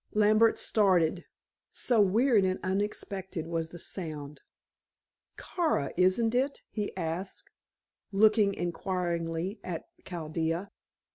Lambert started, so weird and unexpected was the sound. "Kara, isn't it?" he asked, looking inquiringly at Chaldea.